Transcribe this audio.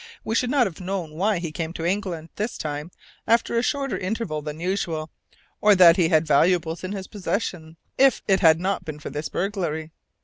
We should not have known why he came to England this time, after a shorter interval than usual, or that he had valuables in his possession, if it had not been for this burglary.